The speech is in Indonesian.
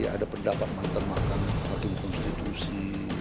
ada pendapat mantan makan hukum konstitusi